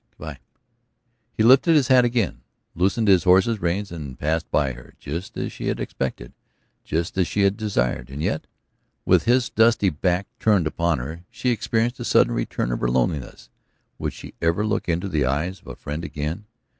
Good by." He lifted his hat again, loosened his horse's reins, and passed by her. Just as she had expected, just as she had desired. And yet, with his dusty back turned upon her, she experienced a sudden return of her loneliness. Would she ever look into the eyes of a friend again?